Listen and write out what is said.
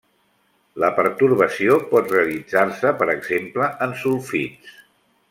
La pertorbació pot realitzar-se per exemple en sulfits.